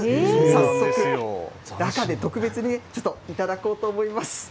早速、中で特別にちょっと頂こうと思います。